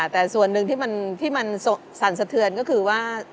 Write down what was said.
แต่ส่วนหนึ่งที่มันสั่นสะเทือนก็คือว่า